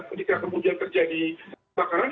ketika kemudian terjadi kebakaran